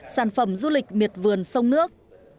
sản phẩm du lịch miệt vườn sông nước